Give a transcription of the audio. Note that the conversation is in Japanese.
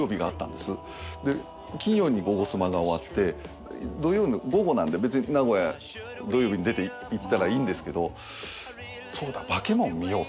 で金曜に「ゴゴスマ」が終わって土曜の午後なんで別に名古屋土曜日に出て行ったらいいんですけどそうだ『バケモン』見よう。